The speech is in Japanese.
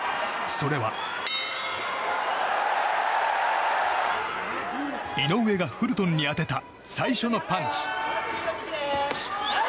それは、井上がフルトンに当てた最初のパンチ。